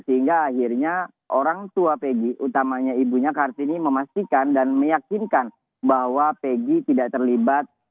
sehingga akhirnya orang tua pegi utamanya ibunya kartini memastikan dan meyakinkan bahwa pegi tidak terlibat